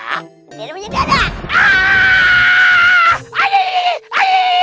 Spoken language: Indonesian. ini punya dadah